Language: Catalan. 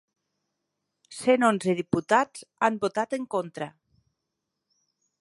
Cent onze diputats han votat en contra.